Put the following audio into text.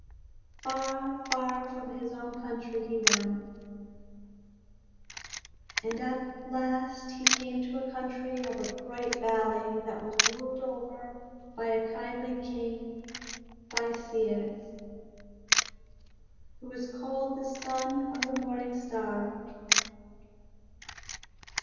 Far, far from his own country he went, and at last he came to a country of bright valleys that was ruled over by a kindly king by Ceyx, who was called the Son of the Morning Star.